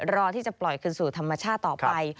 รอที่จะปล่อยคืนสู่ธรรมชาติต่อไป